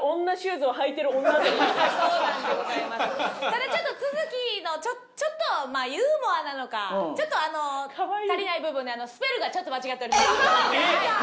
ただちょっと都築のちょっとユーモアなのかちょっと足りない部分でスペルがちょっと間違っております。